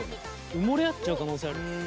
埋もれ合っちゃう可能性あるよ。